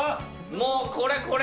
もうこれ、これ。